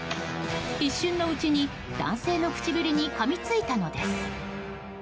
一瞬のうちに男性の唇にかみついたのです。